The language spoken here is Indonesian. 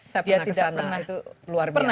saya pernah ke sana itu luar biasa